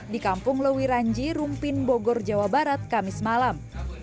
di kampung lewiranji rumpin bogor jawa barat kamis malam